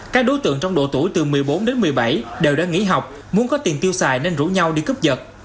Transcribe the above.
các đối tượng trong độ tuổi từ một mươi bốn đến một mươi bảy đều đã nghỉ học muốn có tiền tiêu xài nên rủ nhau đi cướp dật